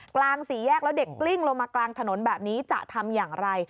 กลางสี่แยกแล้วเด็กกลิ้งลงมากลางถนนแบบนี้จะทำอย่างไร